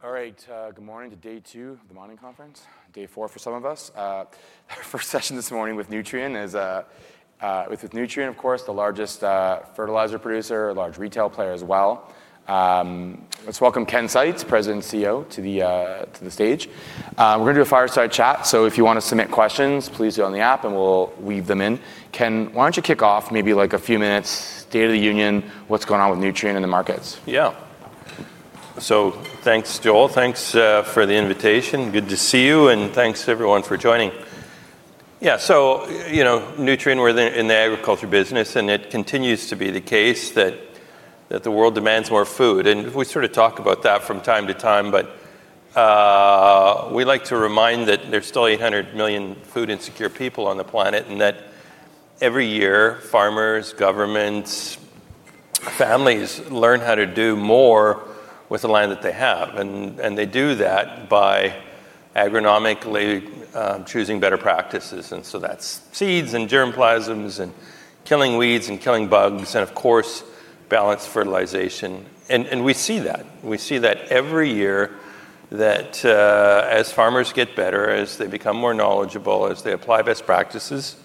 All right, good morning to day two of the mining conference, day four for some of us. Our first session this morning with Nutrien is with Nutrien, of course, the largest fertilizer producer, a large retail player as well. Let's welcome Ken Seitz, President and CEO, to the stage. We're going to do a fireside chat, so if you want to submit questions, please do on the app, and we'll weave them in. Ken, why don't you kick off maybe, like, a few minutes, state of the union, what's going on with Nutrien and the markets? Thanks, Joel. Thanks for the invitation. Good to see you, and thanks, everyone, for joining. You know, Nutrien, we're in the, in the agriculture business, and it continues to be the case that the world demands more food. We sort of talk about that from time to time, but we like to remind that there's still 800 million food-insecure people on the planet, and that every year, farmers, governments, families learn how to do more with the land that they have. They do that by agronomically choosing better practices, and so that's seeds, and germ plasmas, and killing weeds, and killing bugs, and of course, balanced fertilization. We see that. We see that every year, that as farmers get better, as they become more knowledgeable, as they apply best practices,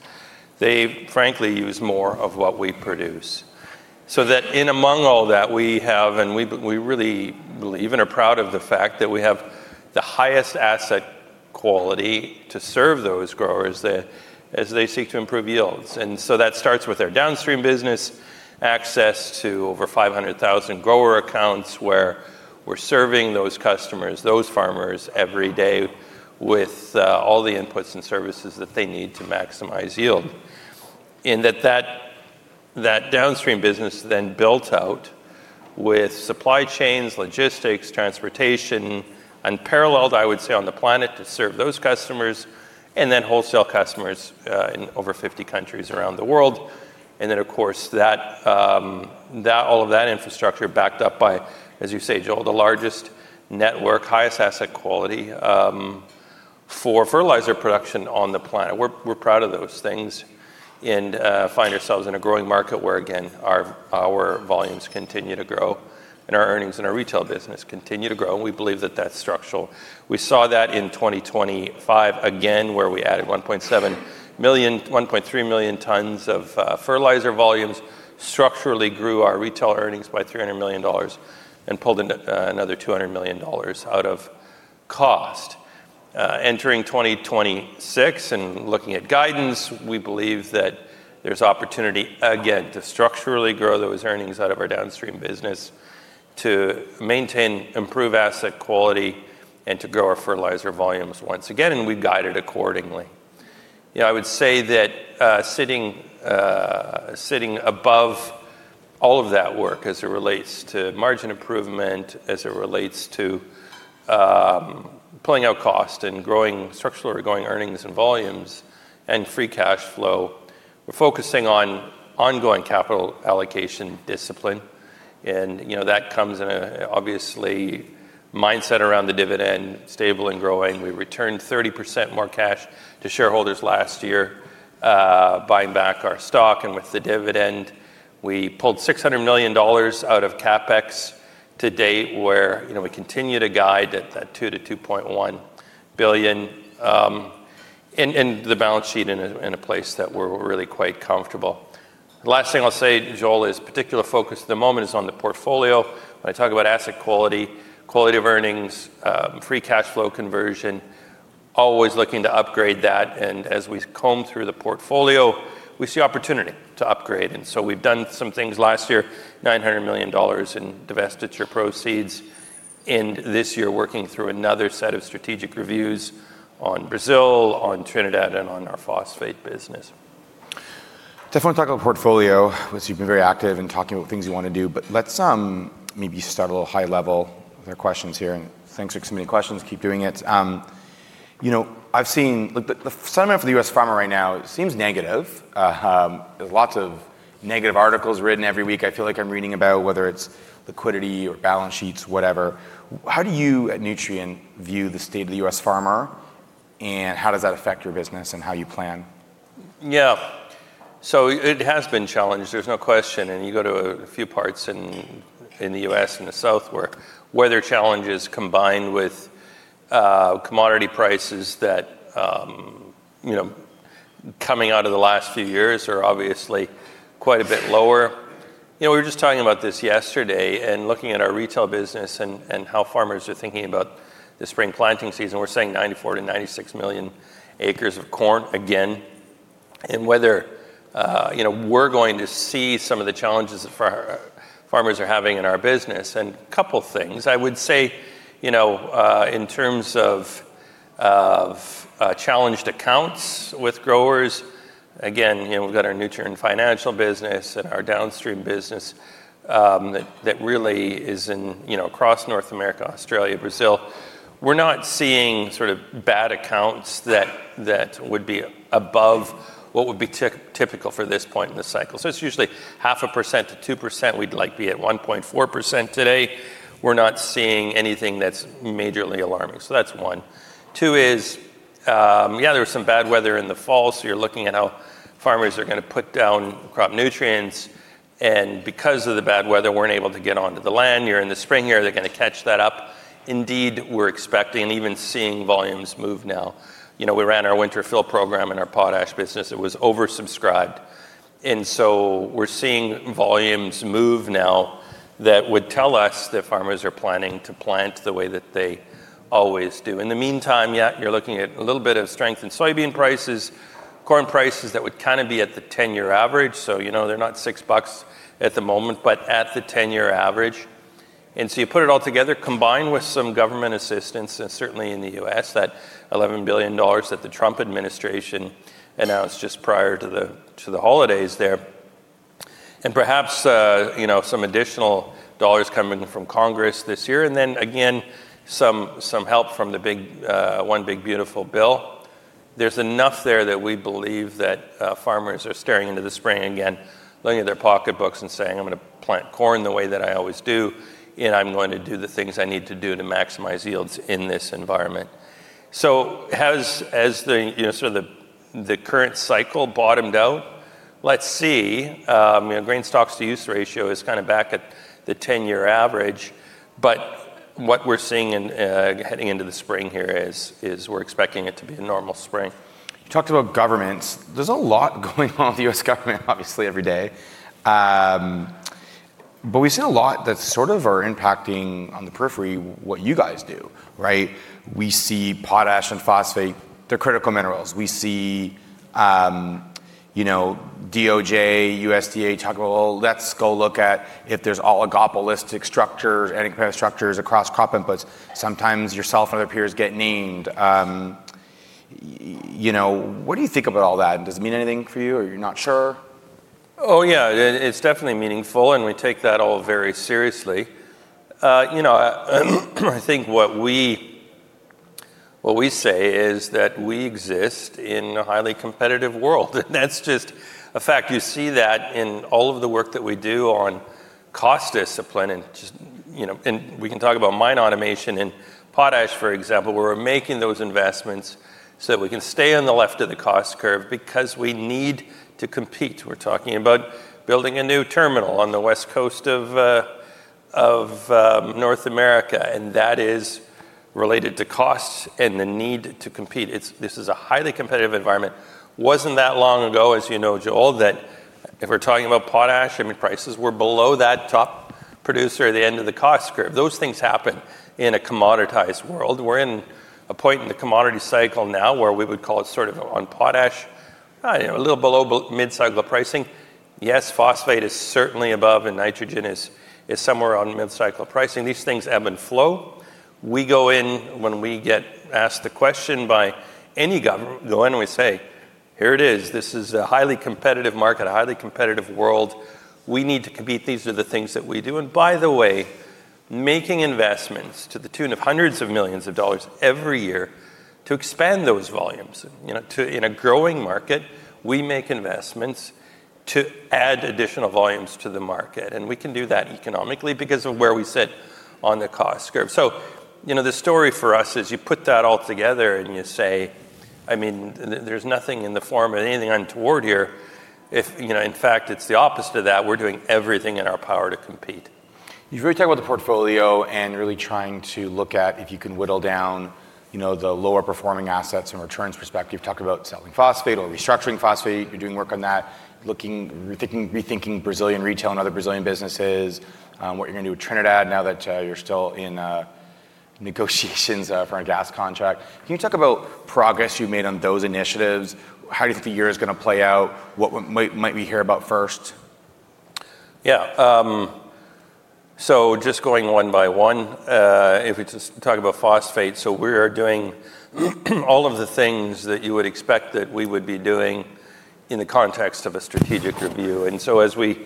they frankly use more of what we produce. In among all that, we have, and we really believe and are proud of the fact that we have the highest asset quality to serve those growers as they seek to improve yields. That starts with our downstream business, access to over 500,000 grower accounts, where we're serving those customers, those farmers, every day with all the inputs and services that they need to maximize yield. That downstream business then built out with supply chains, logistics, transportation, unparalleled, I would say, on the planet, to serve those customers, and then wholesale customers in over 50 countries around the world. Of course, all of that infrastructure backed up by, as you say, Joel, the largest network, highest asset quality, for fertilizer production on the planet. We're proud of those things and find ourselves in a growing market where, again, our volumes continue to grow and our earnings and our retail business continue to grow, and we believe that that's structural. We saw that in 2025 again, where we added 1.3 million tons of fertilizer volumes, structurally grew our retail earnings by $300 million, and pulled another $200 million out of cost. Entering 2026 and looking at guidance, we believe that there's opportunity again to structurally grow those earnings out of our downstream business, to maintain, improve asset quality, and to grow our fertilizer volumes once again, and we've guided accordingly. You know, I would say that, sitting above all of that work as it relates to margin improvement, as it relates to, pulling out cost and growing, structurally growing earnings and volumes and free cash flow, we're focusing on ongoing capital allocation discipline. You know, that comes in a obviously mindset around the dividend, stable and growing. We returned 30% more cash to shareholders last year, buying back our stock. With the dividend, we pulled $600 million out of CapEx to date, where, you know, we continue to guide at that $2-$2.1 billion, and the balance sheet in a place that we're really quite comfortable. The last thing I'll say, Joel, is particular focus at the moment is on the portfolio. When I talk about asset quality of earnings, free cash flow conversion, always looking to upgrade that. As we comb through the portfolio, we see opportunity to upgrade. So we've done some things last year, $900 million in divestiture proceeds, and this year, working through another set of strategic reviews on Brazil, on Trinidad, and on our phosphate business. I want to talk about portfolio, which you've been very active in talking about things you want to do. Let's maybe start a little high level with our questions here. Thanks for submitting questions. Keep doing it. You know, I've seen. Look, the sentiment for the U.S. farmer right now seems negative. There's lots of negative articles written every week. I feel like I'm reading about whether it's liquidity or balance sheets, whatever. How do you, at Nutrien, view the state of the U.S. farmer, and how does that affect your business and how you plan? It has been challenged, there's no question. You go to a few parts in the U.S. and the South where weather challenges combined with commodity prices that, you know, coming out of the last few years are obviously quite a bit lower. You know, we were just talking about this yesterday and looking at our retail business and how farmers are thinking about the spring planting season. We're saying 94-96 million acres of corn again. Whether, you know, we're going to see some of the challenges that farmers are having in our business. A couple things. I would say, you know, in terms of challenged accounts with growers, again, you know, we've got our Nutrien Financial business and our downstream business that really is in, you know, across North America, Australia, Brazil. We're not seeing sort of bad accounts that would be above what would be typical for this point in the cycle. It's usually half a percent to 2%. We'd, like, be at 1.4% today. We're not seeing anything that's majorly alarming. That's one. Two is. Yeah, there was some bad weather in the fall, you're looking at how farmers are gonna put down crop nutrients, and because of the bad weather, weren't able to get onto the land. You're in the spring here, they're gonna catch that up. Indeed, we're expecting and even seeing volumes move now. You know, we ran our Winter Fill Program in our potash business. It was oversubscribed. We're seeing volumes move now that would tell us that farmers are planning to plant the way that they always do. In the meantime, yeah, you're looking at a little bit of strength in soybean prices, corn prices, that would kind of be at the 10-year average. You know, they're not $6 at the moment, but at the 10-year average. You put it all together, combined with some government assistance, and certainly in the U.S., that $11 billion that the Trump administration announced just prior to the holidays there, and perhaps, you know, some additional dollars coming from Congress this year, and then again, some help from the big, one big beautiful bill. There's enough there that we believe that farmers are staring into the spring again, looking at their pocketbooks and saying, "I'm gonna plant corn the way that I always do, and I'm going to do the things I need to do to maximize yields in this environment." Has the, you know, sort of the current cycle bottomed out? Let's see. You know, grain stocks-to-use ratio is kind of back at the 10-year average. What we're seeing in heading into the spring here is we're expecting it to be a normal spring. You talked about governments. There's a lot going on with the U.S. government, obviously, every day. We've seen a lot that sort of are impacting on the periphery what you guys do, right? We see potash and phosphate, they're critical minerals. We see, you know, DOJ, USDA talking about, "Well, let's go look at if there's oligopolistic structures and oligopolistic structures across crop inputs." Sometimes yourself and other peers get named. You know, what do you think about all that? Does it mean anything for you, or you're not sure? Yeah, it's definitely meaningful, we take that all very seriously. You know, I think what we say is that we exist in a highly competitive world, that's just a fact. You see that in all of the work that we do on cost discipline. You know, we can talk about mine automation and potash, for example, where we're making those investments so that we can stay on the left of the cost curve because we need to compete. We're talking about building a new terminal on the west coast of North America, that is related to costs and the need to compete. This is a highly competitive environment. Wasn't that long ago, as you know, Joel, that if we're talking about potash, I mean, prices were below that top producer at the end of the cost curve. Those things happen in a commoditized world. We're in a point in the commodity cycle now where we would call it sort of on potash, you know, a little below mid-cycle pricing. Yes, phosphate is certainly above, and nitrogen is somewhere on mid-cycle pricing. These things ebb and flow. We go in when we get asked a question by any government, go in and we say, "Here it is. This is a highly competitive market, a highly competitive world. We need to compete. These are the things that we do. By the way, making investments to the tune of hundreds of millions of dollars every year to expand those volumes, you know, in a growing market, we make investments to add additional volumes to the market, and we can do that economically because of where we sit on the cost curve. You know, the story for us is you put that all together and you say, I mean, there's nothing in the form of anything untoward here. If, you know, in fact, it's the opposite of that, we're doing everything in our power to compete. You've really talked about the portfolio and really trying to look at if you can whittle down, you know, the lower performing assets from a returns perspective. You've talked about selling phosphate or restructuring phosphate. You're doing work on that, looking, rethinking Brazilian retail and other Brazilian businesses, what you're gonna do with Trinidad now that you're still in negotiations for a gas contract. Can you talk about progress you made on those initiatives? How do you think the year is gonna play out? What might we hear about first? Just going one by one, if it's just talking about phosphate, we are doing all of the things that you would expect that we would be doing in the context of a strategic review. As we,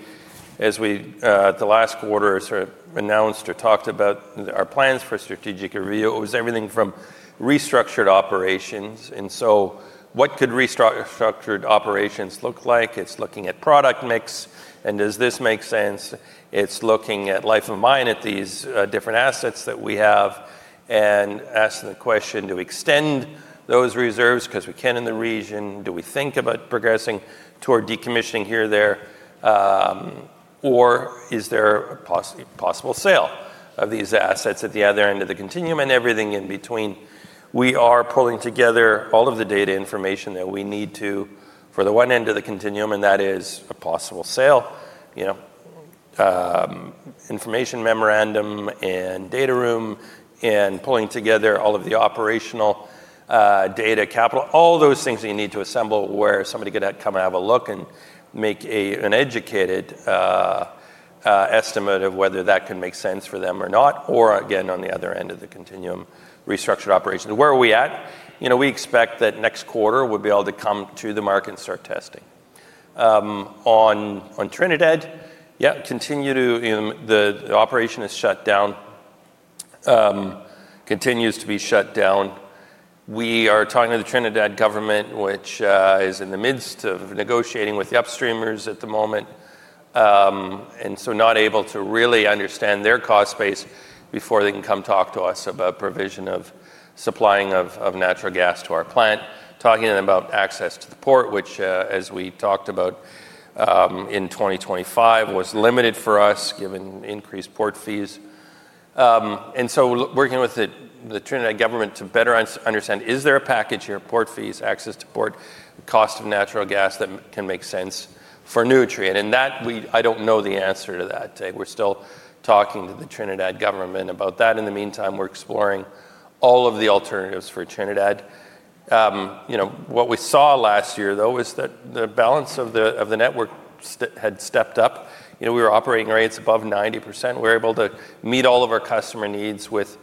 the last quarter sort of announced or talked about our plans for strategic review, it was everything from restructured operations. What could restructured operations look like? It's looking at product mix and does this make sense? It's looking at life of mine at these different assets that we have, and asking the question: do we extend those reserves because we can in the region? Do we think about progressing toward decommissioning here, there, or is there a possible sale of these assets at the other end of the continuum and everything in between? We are pulling together all of the data information that we need to, for the one end of the continuum, and that is a possible sale, you know, information memorandum and data room and pulling together all of the operational data capital, all those things that you need to assemble where somebody could come and have a look and make an educated estimate of whether that can make sense for them or not, or again, on the other end of the continuum, restructured operations. Where are we at? You know, we expect that next quarter, we'll be able to come to the market and start testing. On Trinidad, yeah, continue to. The operation is shut down, continues to be shut down. We are talking to the Trinidad government, which is in the midst of negotiating with the upstreamers at the moment. Not able to really understand their cost base before they can come talk to us about provision of supplying of natural gas to our plant. Talking about access to the port, which, as we talked about, in 2025, was limited for us, given increased port fees. We're working with the Trinidad government to better understand, is there a package here, port fees, access to port, cost of natural gas, that can make sense for Nutrien? I don't know the answer to that. We're still talking to the Trinidad government about that. In the meantime, we're exploring all of the alternatives for Trinidad. You know, what we saw last year, though, was that the balance of the network had stepped up. You know, we were operating rates above 90%. We were able to meet all of our customer needs with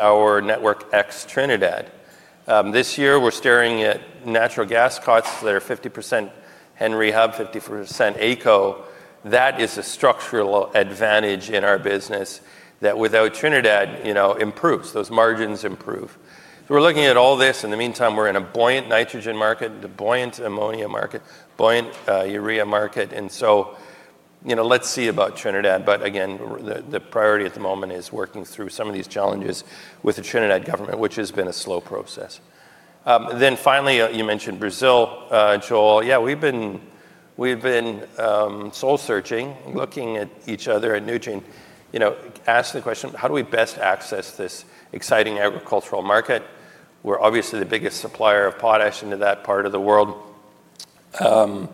our network ex-Trinidad. This year, we're staring at natural gas costs that are 50% Henry Hub, 50% AECO. That is a structural advantage in our business that without Trinidad, you know, improves. Those margins improve. We're looking at all this. In the meantime, we're in a buoyant nitrogen market, and a buoyant ammonia market, buoyant urea market. You know, let's see about Trinidad. Again, the priority at the moment is working through some of these challenges with the Trinidad government, which has been a slow process. Finally, you mentioned Brazil, Joel. Yeah, we've been soul searching, looking at each other at Nutrien. You know, ask the question: How do we best access this exciting agricultural market? We're obviously the biggest supplier of potash into that part of the world, and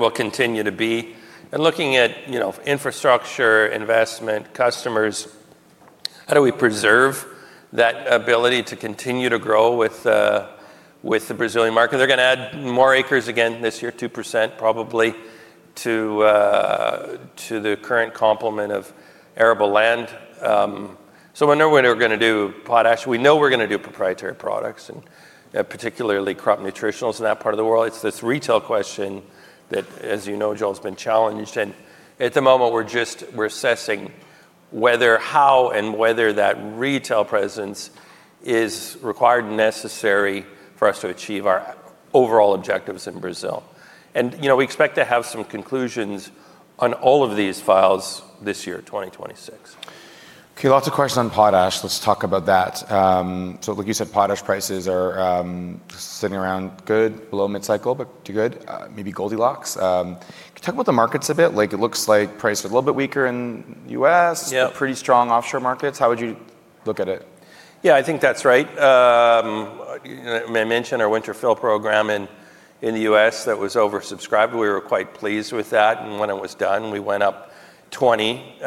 will continue to be. Looking at, you know, infrastructure, investment, customers, how do we preserve that ability to continue to grow with the Brazilian market? They're gonna add more acres again this year, 2% probably, to the current complement of arable land. We know we're gonna do potash. We know we're gonna do proprietary products, and particularly crop nutrition in that part of the world. It's this retail question that, as you know, Joel, has been challenged, and at the moment, we're assessing whether how and whether that retail presence is required, necessary for us to achieve our overall objectives in Brazil. You know, we expect to have some conclusions on all of these files this year, 2026. Okay, lots of questions on potash. Let's talk about that. Like you said, potash prices are sitting around good, below mid-cycle, but too good, maybe Goldilocks. Can you talk about the markets a bit? Like, it looks like prices are a little bit weaker in US- Yeah. Pretty strong offshore markets. How would you look at it? Yeah, I think that's right. I mentioned our Winter Fill Program in the U.S. that was oversubscribed. We were quite pleased with that. When it was done, we went up 20.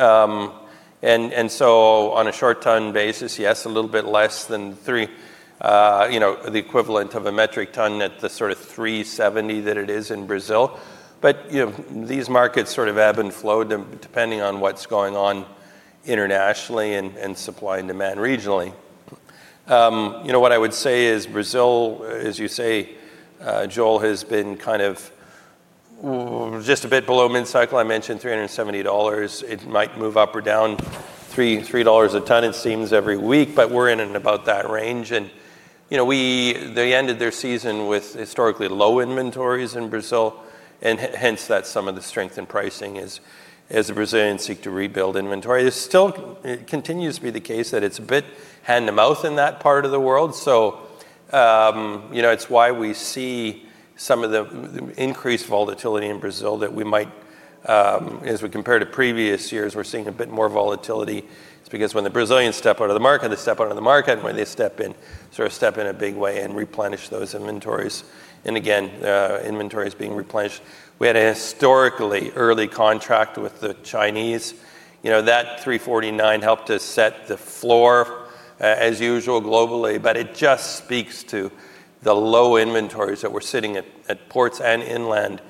On a short ton basis, yes, a little bit less than 3, you know, the equivalent of a metric ton at the sort of 370 that it is in Brazil. You know, these markets sort of ebb and flow, depending on what's going on internationally and supply and demand regionally. You know, what I would say is Brazil, as you say, Joel, has been kind of just a bit below mid-cycle. I mentioned $370. It might move up or down $3 a ton it seems, every week, we're in and about that range. You know, they ended their season with historically low inventories in Brazil, hence, that's some of the strength in pricing is, as the Brazilians seek to rebuild inventory. There's still. It continues to be the case that it's a bit hand-to-mouth in that part of the world. You know, it's why we see some of the increased volatility in Brazil that we might, as we compare to previous years, we're seeing a bit more volatility. It's because when the Brazilians step out of the market, they step out of the market, and when they step in, sort of step in a big way and replenish those inventories. Again, inventories being replenished. We had a historically early contract with the Chinese. You know, that $349 helped to set the floor, as usual, globally. It just speaks to the low inventories that were sitting at ports and inland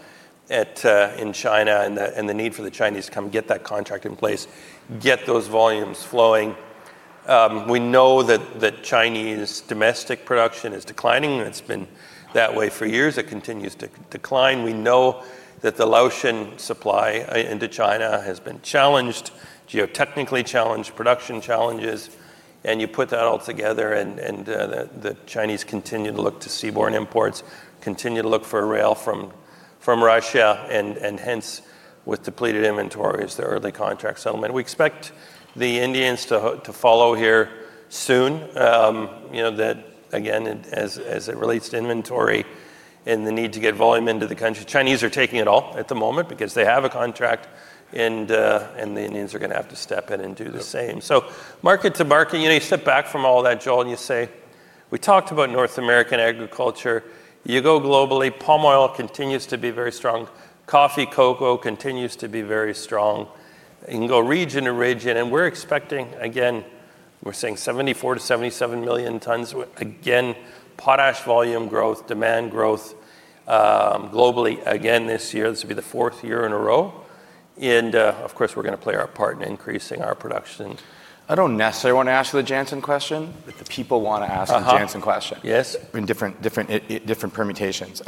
at, in China, and the need for the Chinese to come get that contract in place, get those volumes flowing. We know that Chinese domestic production is declining, and it's been that way for years. It continues to decline. We know that the Laotian supply into China has been challenged, geotechnically challenged, production challenges, and you put that all together, and the Chinese continue to look to seaborne imports, continue to look for rail from Russia, and hence, with depleted inventories, the early contract settlement. We expect the Indians to follow here soon. You know, that again, as it relates to inventory and the need to get volume into the country. Chinese are taking it all at the moment because they have a contract, and the Indians are gonna have to step in and do the same. Yep. Market to market, you know, you step back from all that, Joel, and you say, we talked about North American agriculture. You go globally, palm oil continues to be very strong. Coffee, cocoa continues to be very strong. You can go region to region, and we're expecting, again, we're saying 74-77 million tons. Again, potash volume growth, demand growth, globally again this year. This will be the fourth year in a row, and, of course, we're gonna play our part in increasing our production. I don't necessarily want to ask you the Jansen question, but the people want to ask. Uh-huh The Jansen question. Yes. In different permutations.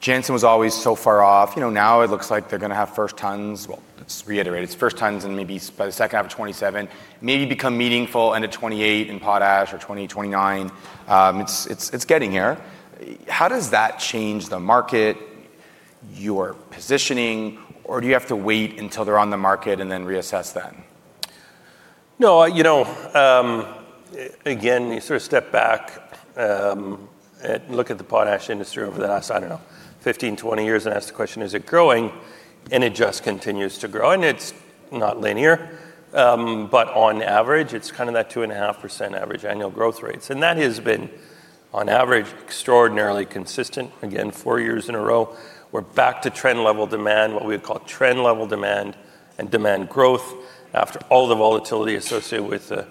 Jansen was always so far off. You know, now it looks like they're gonna have first tons, let's reiterate, it's first tons and maybe by the second half of 2027, maybe become meaningful end of 2028 in potash, or 2029. It's getting here. How does that change the market, your positioning, or do you have to wait until they're on the market and then reassess then? No, you know, again, you sort of step back and look at the potash industry over the last, I don't know, 15, 20 years, and ask the question: Is it growing? It just continues to grow. It's not linear, but on average, it's kind of that 2.5% average annual growth rates. That has been, on average, extraordinarily consistent. Again, 4 years in a row, we're back to trend level demand, what we would call trend level demand and demand growth, after all the volatility associated with the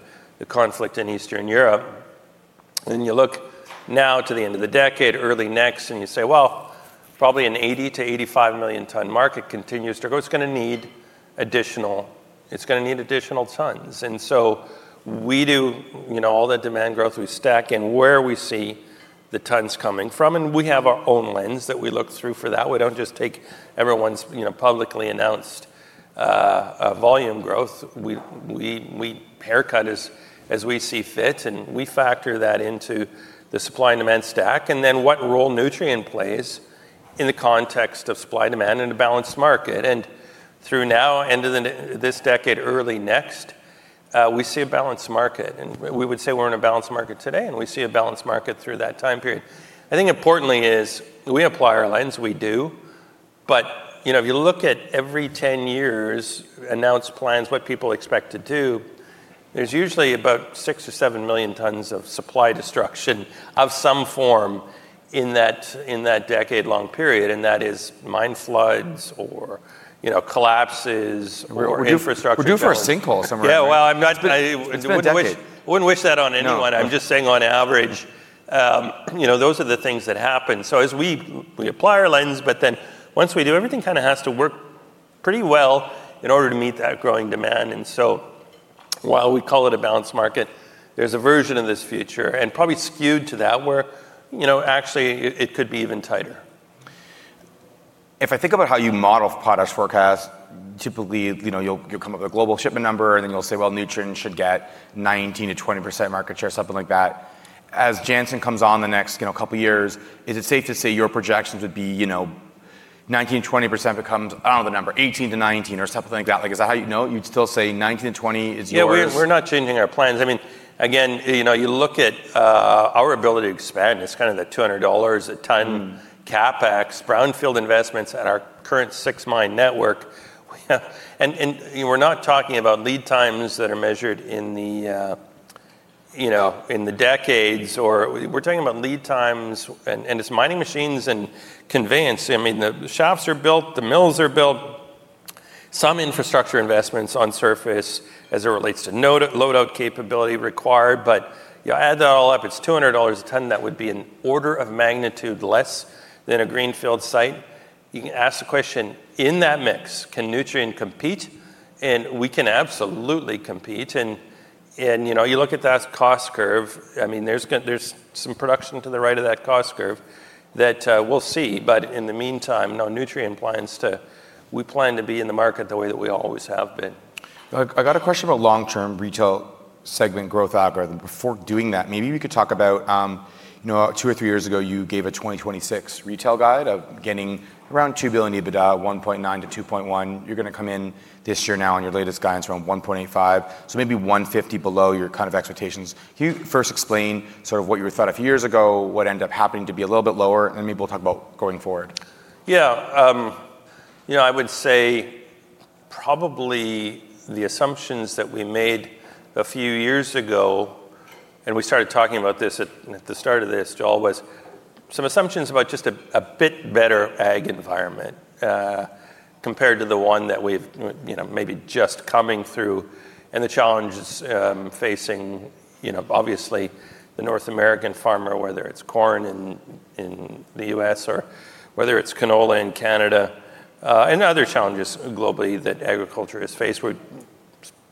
conflict in Eastern Europe. You look now to the end of the decade, early next, and you say: Well, probably an 80-85 million ton market continues to grow. It's going to need additional tons. We do, you know, all that demand growth, we stack and where we see the tons coming from, and we have our own lens that we look through for that. We don't just take everyone's, you know, publicly announced, volume growth. We haircut as we see fit, and we factor that into the supply and demand stack, and then what role Nutrien plays in the context of supply, demand, and a balanced market. Through now, end of this decade, early next, we see a balanced market, and we would say we're in a balanced market today, and we see a balanced market through that time period. I think importantly is, we apply our lens, we do, but, you know, if you look at every 10 years, announced plans, what people expect to do, there's usually about 6 or 7 million tons of supply destruction of some form in that, in that decade-long period, and that is mine floods or, you know, collapses or infrastructure- We're due for a sinkhole somewhere. Yeah. Well, I'm not- It's been a decade. I wouldn't wish that on anyone. No. I'm just saying on average, you know, those are the things that happen. As we apply our lens, but then once we do, everything kind of has to work pretty well in order to meet that growing demand. While we call it a balanced market, there's a version of this future, and probably skewed to that, where, you know, actually it could be even tighter. If I think about how you model potash forecast, typically, you know, you'll come up with a global shipment number, and then you'll say, well, Nutrien should get 19%-20% market share, something like that. As Jansen comes on the next, you know, couple of years, is it safe to say your projections would be, you know, 19%, 20% becomes, I don't know the number, 18-19 or something like that? Like, is that how you know it? You'd still say 19-20 is yours? Yeah, we're not changing our plans. I mean, again, you know, you look at, our ability to expand, it's kind of the $200 a ton. Mm CapEx, brownfield investments at our current six-mine network. We're not talking about lead times that are measured in the, you know, in the decades, or. We're talking about lead times, and it's mining machines and conveyance. I mean, the shops are built, the mills are built, some infrastructure investments on surface as it relates to loadout capability required. You add that all up, it's $200 a ton. That would be an order of magnitude less than a greenfield site. You can ask the question: In that mix, can Nutrien compete? We can absolutely compete. You know, you look at that cost curve, I mean, there's some production to the right of that cost curve that we'll see. In the meantime, no, Nutrien plans to. We plan to be in the market the way that we always have been. I got a question about long-term retail segment growth algorithm. Before doing that, maybe we could talk about, you know, two or three years ago, you gave a 2026 retail guide of getting around $2 billion EBITDA, $1.9-$2.1 billion. You're going to come in this year now on your latest guidance around $1.85 billion, so maybe $150 million below your kind of expectations. Can you first explain sort of what you were thought of years ago, what ended up happening to be a little bit lower, and maybe we'll talk about going forward? Yeah, you know, I would say probably the assumptions that we made a few years ago, and we started talking about this at the start of this, Joel, was some assumptions about just a bit better ag environment, compared to the one that we've, you know, maybe just coming through and the challenges, facing, you know, obviously the North American farmer, whether it's corn in the US, or whether it's canola in Canada, and other challenges globally that agriculture has faced with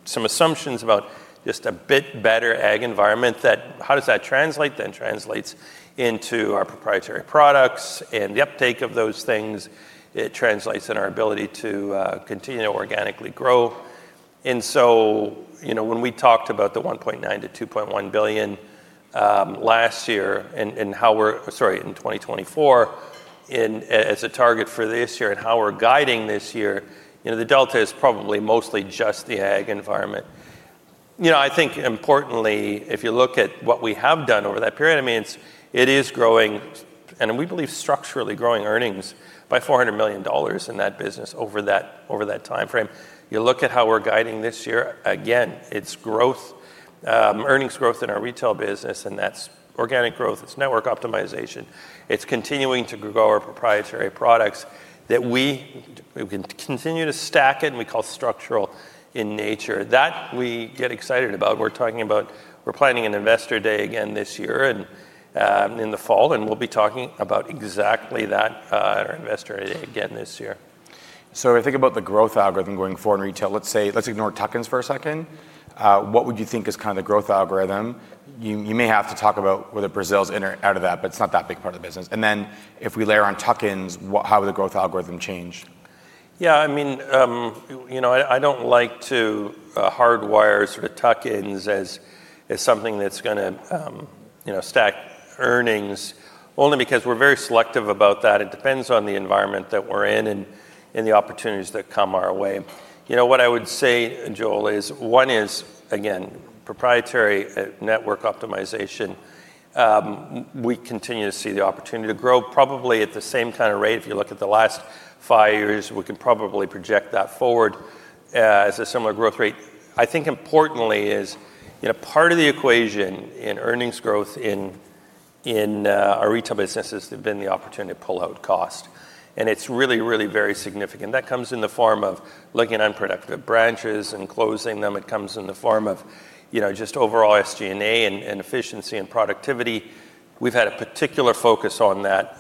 some assumptions about just a bit better ag environment, that how does that translate, then translates into our proprietary products and the uptake of those things. It translates in our ability to continue to organically grow. You know, when we talked about the $1.9-$2.1 billion last year, and how we're... Sorry, in 2024, as a target for this year and how we're guiding this year, you know, the delta is probably mostly just the ag environment. You know, I think importantly, if you look at what we have done over that period, I mean, it is growing, and we believe structurally growing earnings by $400 million in that business over that time frame. You look at how we're guiding this year, again, it's growth, earnings growth in our retail business. That's organic growth, it's network optimization. It's continuing to grow our proprietary products that we continue to stack it. We call structural in nature. That we get excited about. We're planning an investor day again this year and, in the fall, and we'll be talking about exactly that, at our investor day again this year. If I think about the growth algorithm going forward in retail, let's say, let's ignore tuck-ins for a second. What would you think is kind of the growth algorithm? You may have to talk about whether Brazil's in or out of that, but it's not that big part of the business. If we layer on tuck-ins, how would the growth algorithm change? Yeah, I mean, you know, I don't like to hardwire sort of tuck-ins as something that's gonna, you know, stack earnings, only because we're very selective about that. It depends on the environment that we're in, and the opportunities that come our way. You know, what I would say, Joel, is one is, again, proprietary network optimization. We continue to see the opportunity to grow probably at the same kind of rate. If you look at the last five years, we can probably project that forward as a similar growth rate. I think importantly is, you know, part of the equation in earnings growth in our retail businesses have been the opportunity to pull out cost, and it's really very significant. That comes in the form of looking at unproductive branches and closing them. It comes in the form of, you know, just overall SG&A and efficiency and productivity. We've had a particular focus on that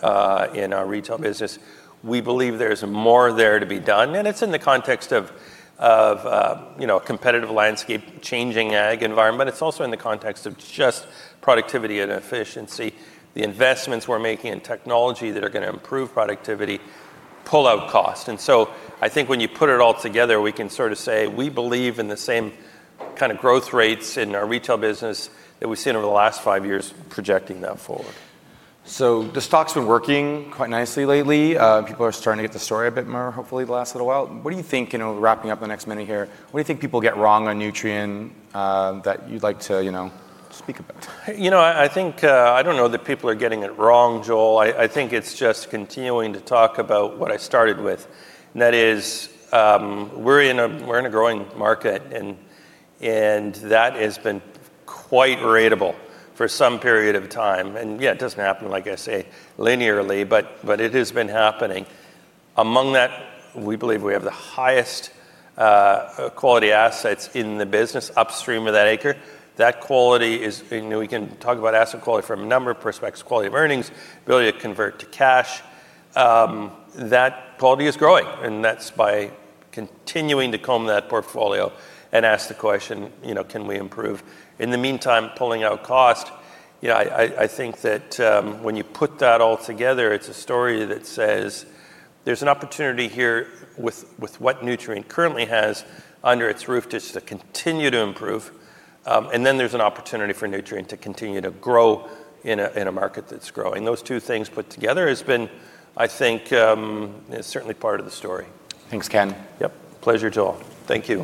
in our retail business. We believe there's more there to be done, and it's in the context of, you know, a competitive landscape, changing ag environment, but it's also in the context of just productivity and efficiency. The investments we're making in technology that are gonna improve productivity pull out cost. I think when you put it all together, we can sort of say: we believe in the same kind of growth rates in our retail business that we've seen over the last 5 years, projecting that forward. The stock's been working quite nicely lately. People are starting to get the story a bit more, hopefully, the last little while. You know, wrapping up the next minute here, what do you think people get wrong on Nutrien that you'd like to, you know, speak about? You know, I think, I don't know that people are getting it wrong, Joel. I think it's just continuing to talk about what I started with, and that is, we're in a growing market and that has been quite ratable for some period of time. Yeah, it doesn't happen, like I say, linearly, but it has been happening. Among that, we believe we have the highest, quality assets in the business upstream of that acre. That quality is, you know, we can talk about asset quality from a number of prospects, quality of earnings, ability to convert to cash. That quality is growing, and that's by continuing to comb that portfolio and ask the question, you know: Can we improve? In the meantime, pulling out cost, you know, I think that, when you put that all together, it's a story that says there's an opportunity here with what Nutrien currently has under its roof just to continue to improve. There's an opportunity for Nutrien to continue to grow in a market that's growing. Those two things put together has been, I think, is certainly part of the story. Thanks, Ken. Yep. Pleasure, Joel. Thank you.